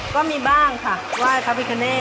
ก็มีบ้างค่ะว่าครับพี่คะเน่